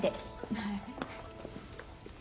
はい。